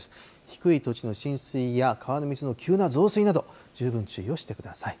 低い土地の浸水や川の水の急な増水など、十分注意をしてください。